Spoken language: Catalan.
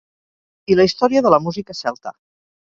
I la història de la música celta.